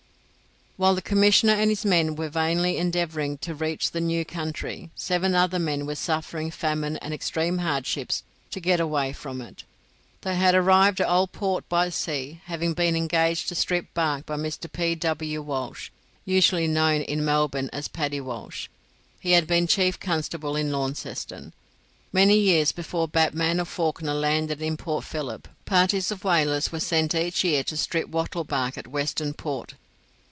While the commissioner and his men were vainly endeavouring to reach the new country, seven other men were suffering famine and extreme hardships to get away from it. They had arrived at the Old Port by sea, having been engaged to strip bark by Mr. P. W. Walsh, usually known in Melbourne as Paddy Walsh. He had been chief constable in Launceston. Many years before Batman or Fawkner landed in Port Philip, parties of whalers were sent each year to strip wattle bark at Western Port.